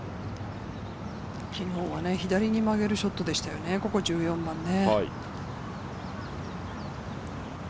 昨日は左に曲げるショットでした、ここの１４番ね。